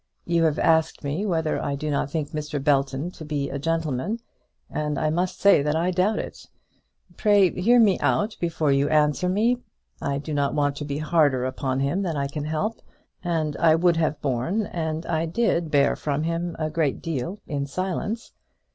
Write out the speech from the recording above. You have asked me whether I do not think Mr. Belton to be a gentleman, and I must say that I doubt it. Pray hear me out before you answer me. I do not want to be harder upon him than I can help; and I would have borne, and I did bear from him, a great deal in silence.